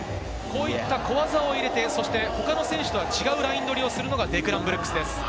小技を入れて、他の選手と違うライン取りをするのがデクラン・ブルックスです。